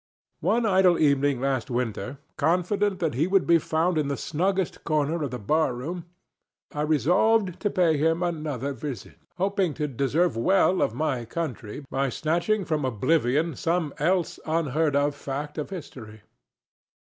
One idle evening last winter, confident that he would be found in the snuggest corner of the bar room, I resolved to pay him another visit, hoping to deserve well of my country by snatching from oblivion some else unheard of fact of history.